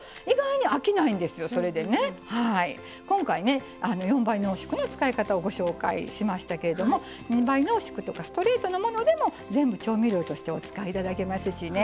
今回ね４倍濃縮の使い方をご紹介しましたけれども２倍濃縮とかストレートのものでも全部調味料としてお使い頂けますしね。